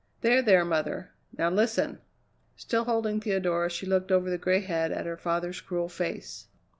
"There! there mother. Now listen!" Still holding Theodora, she looked over the gray head at her father's cruel face.